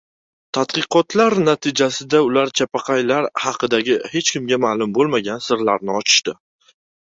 Tadqiqotlar natijasida ular chapaqaylar haqidagi hech kimga maʼlum boʻlmagan sirlarni ochishdi.